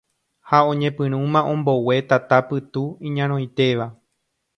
Ha oñepyrũma ombogue tata pytu iñarõitéva